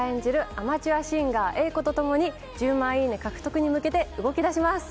アマチュアシンガー英子と共に１０万いいね獲得に向けて動きだします。